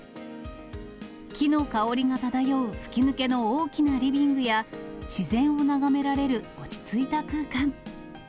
木の香りが漂う吹き抜けの大きなリビングや、自然を眺められる落ち着いた空間。